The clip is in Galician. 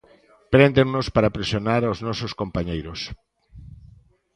Préndennos para presionar os nosos compañeiros.